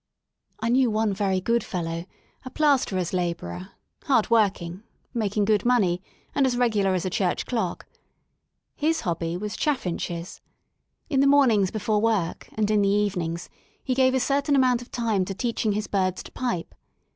I knew one very good fellow, a plasterer's # labourer, hardworking, making good money, and as ! regular as a church clock. His hobby was chaffinches. ! In the mornings before work and in the evenings he gave a certain amount of time to teaching his birds to pipe.